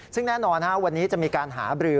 ซึ่งแน่นอนวันนี้จะมีการหาบรือ